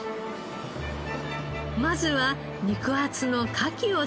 まずは肉厚のカキを使って。